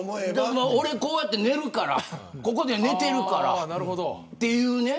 俺こうやってここで寝てるからっていうね。